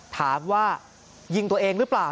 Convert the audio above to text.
ถามว่ายิงตัวเองหรือเปล่า